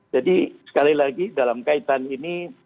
jadi sekali lagi dalam kaitan ini